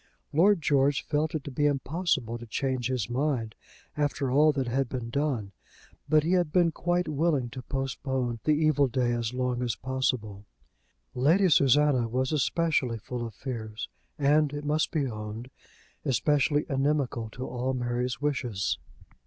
Lord George felt it to be impossible to change his mind after all that had been done; but he had been quite willing to postpone the evil day as long as possible. Lady Susanna was especially full of fears, and, it must be owned, especially inimical to all Mary's wishes.